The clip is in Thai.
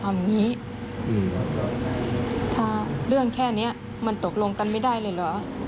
เอาอย่างนี้ถ้าเรื่องแค่นี้มันตกลงกันไม่ได้เลยเหรอ